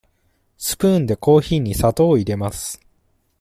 スプーンでコーヒーに砂糖を入れます。